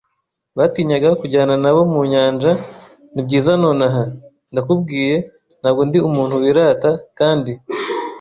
batinyaga kujyana nabo mu nyanja. Nibyiza nonaha, ndakubwiye, ntabwo ndi umuntu wirata, kandi